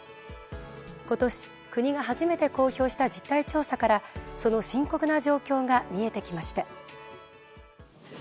今年、国が初めて公表した実態調査からその深刻な状況が見えてきました。